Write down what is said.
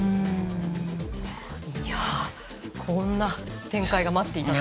いや、こんな展開が待っていた。